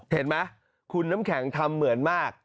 เห็นไหมคุณน้ำแข็งทำเหมือนมาก